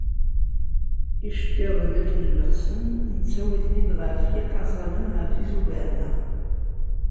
Icettiḍen, akken llexsen, nettawi-ten-id deg yiqaẓalen ɣef yizugar-nneɣ.